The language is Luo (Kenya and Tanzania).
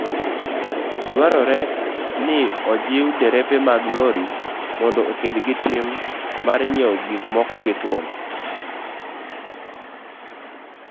Dwaroreniojiwderepemaglorimondookedgitim marng'iewogikmokogithuon.